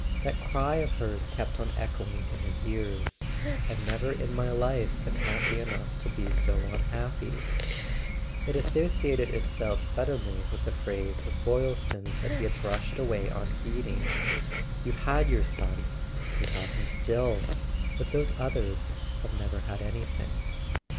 That cry of hers kept on echoing in his ears: "I've never in my life been happy enough to be so unhappy!" It associated itself suddenly with a phrase of Boylston's that he had brushed away unheeding: "You've had your son— you have him still; but those others have never had anything."